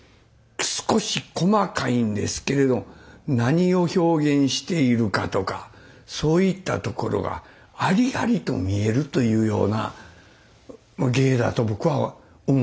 少し細かいんですけれど何を表現しているかとかそういったところがありありと見えるというような芸だと僕は思います。